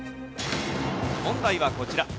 問題はこちら。